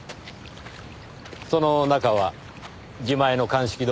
その中は自前の鑑識道具ですか？